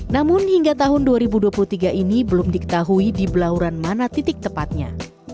namun hingga tahun dua ribu dua puluh tiga ini belum diketahui di belauran mana titik tepatnya